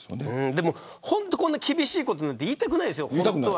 こんな厳しいこと本当は言いたくないですよ。